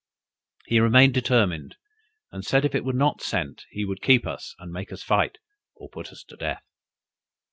He remained determined, and said if it were not sent, he would keep us, and make us fight, or put us to death.